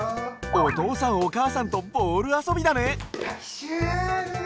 おとうさんおかあさんとボールあそびだね！